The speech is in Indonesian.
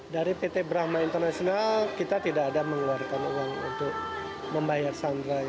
dari pt brahma international kita tidak ada mengeluarkan uang untuk membayar sandra